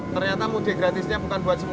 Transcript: ternyata mudik gratisnya bukan buat semua